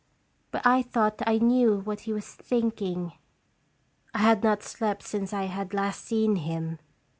But I thought I knew what he was thinking. I had not slept since I had last seen him.